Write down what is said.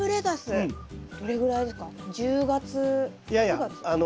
いやいや。